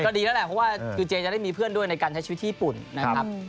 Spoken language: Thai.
ก็ดีแล้วแหละเพราะว่าคือเจจะได้มีเพื่อนด้วยในการใช้ชีวิตที่ญี่ปุ่นนะครับ